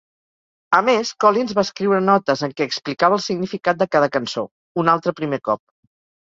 A més, Collins va escriure notes en què explicava el significat de cada cançó, un altre primer cop.